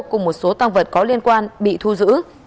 cùng một số tăng vật có liên quan bị thu giữ